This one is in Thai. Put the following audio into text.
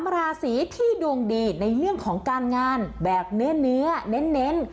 ราศีที่ดวงดีในเรื่องของการงานแบบเนื้อเน้น